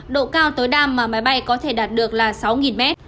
độ cao tối đa mà máy bay có thể đạt được là sáu mét